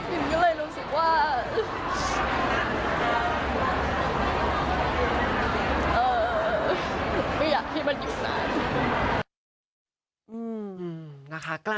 ผมก็เลยรู้สึกว่า